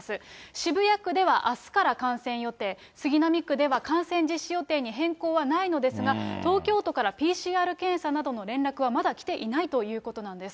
渋谷区ではあすから観戦予定、杉並区では観戦実施予定に変更はないのですが、東京都からＰＣＲ検査などの連絡はまだ来ていないということなんです。